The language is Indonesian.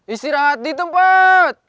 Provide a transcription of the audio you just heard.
istirahat di tempat